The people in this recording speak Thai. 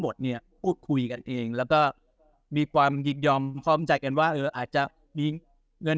หมดเนี่ยพุ่งคุยกันเองแล้วพขมรองจกันว่าอาจจะมีเงิน